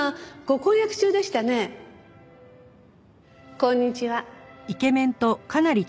こんにちは。